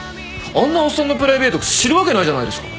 あんなおっさんのプライベート知るわけないじゃないですか。